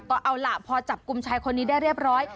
ก็เอาล่ะพอจับกลุ่มชายคนนี้ได้เรียบร้อย